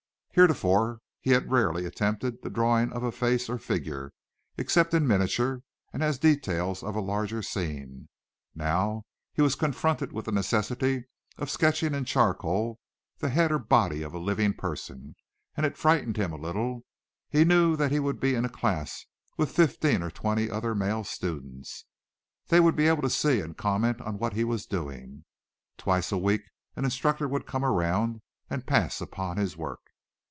Heretofore he had rarely attempted the drawing of a face or figure except in miniature and as details of a larger scene. Now he was confronted with the necessity of sketching in charcoal the head or body of a living person, and it frightened him a little. He knew that he would be in a class with fifteen or twenty other male students. They would be able to see and comment on what he was doing. Twice a week an instructor would come around and pass upon his work.